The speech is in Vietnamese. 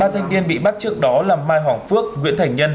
ba thanh niên bị bắt trước đó là mai hoàng phước nguyễn thành nhân